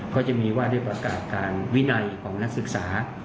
ก็จะมีว่าได้ประกาศการวินัยของนักศึกษา